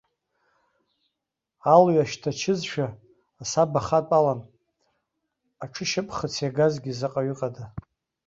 Алҩа шьҭачызшәа асаба хатәалан, аҽышьапхыц иагазгьы заҟаҩы ыҟада?